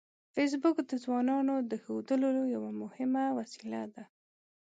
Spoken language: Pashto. فېسبوک د ځوانانو د ښودلو یوه مهمه وسیله ده